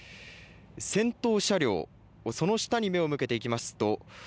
先頭車両その下に目を向けていきますと